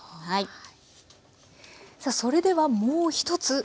さあそれではもう一つ。